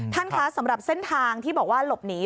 ท่านคะสำหรับเส้นทางที่บอกว่าหลบหนี